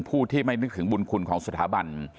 ผู้ที่ไม่นึกถึงบุญคุณของสถาบัน